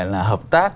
là hợp tác